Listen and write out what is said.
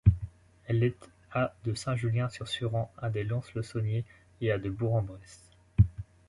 Elle est à de Saint-Julien sur Suran, à de Lons-le-Saunier et à de Bourg-en-Bresse.